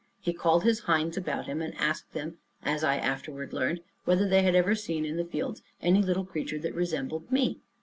He called his hinds about him, and asked them, as I afterward learned, whether they had ever seen in the fields any little creature that resembled me?